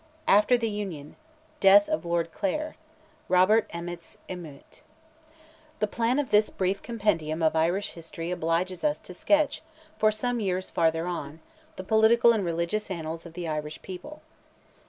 AFTER THE UNION—DEATH OF LORD CLARE—ROBERT EMMET'S EMEUTE. The plan of this brief compendium of Irish history obliges us to sketch for some years farther on, the political and religious annals of the Irish people.